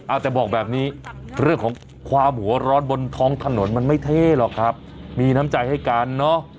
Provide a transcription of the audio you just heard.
เอาแต่บอกแบบนี้เรื่องของความหัวร้อนบนท้องถนนมันไม่เท่หรอกครับมีน้ำใจให้กันเนอะ